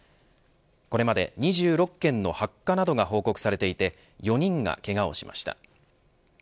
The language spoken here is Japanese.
これまでに２６件の発火などが報告されていて４人がけがをしました。